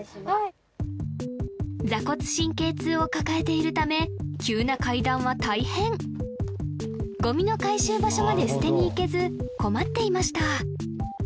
はい坐骨神経痛を抱えているため急な階段は大変ゴミの回収場所まで捨てに行けず困っていました